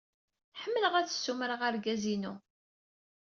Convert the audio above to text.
Ḥemmleɣ ad ssumareɣ argaz-inu.